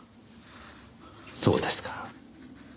そうですか。